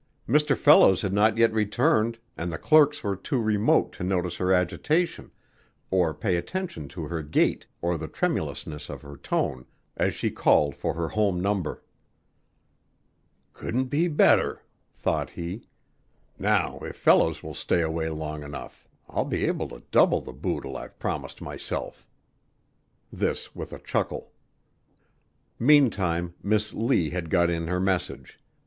Mr. Fellows had not yet returned and the clerks were too remote to notice her agitation or pay attention to her gait or the tremulousness of her tone as she called for her home number. "Couldn't be better," thought he. "Now if Fellows will stay away long enough, I'll be able to double the boodle I've promised myself." This with a chuckle. Meantime Miss Lee had got in her message.